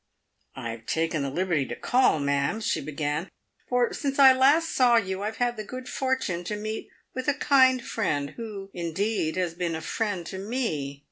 " I've taken the liberty to call, ma'am," she began, "for, since I last saw you, I've had the good fortune to meet with a kind friend, who, indeed, has been a friend to me.